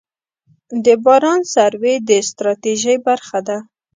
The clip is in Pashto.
د بازار سروې د ستراتیژۍ برخه ده.